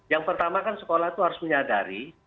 yang pertama kan sekolah itu harus menyadari